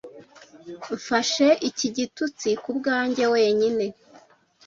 mfashe iki gitutsi kubwanjye wenyine